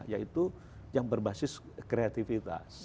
yaitu yang berbasis kreatifitas